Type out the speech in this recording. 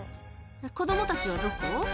子供たちはどこ？」